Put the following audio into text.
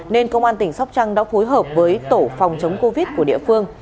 nên công an tỉnh sóc trăng đã phối hợp với tổ phòng chống covid của địa phương